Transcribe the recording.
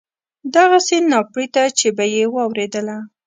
دغسې ناپړېته چې به یې واورېدله.